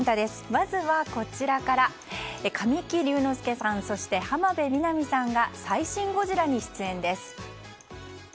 まずは、神木隆之介さんそして浜辺美波さんが最新「ゴジラ」に出演です。